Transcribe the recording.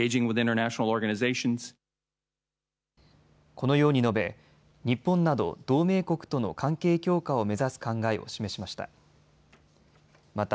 このように述べ日本など同盟国との関係強化を目指す考えを示しました。